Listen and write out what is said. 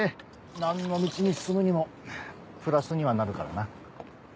何の道に進むにもプラスにはなるからな。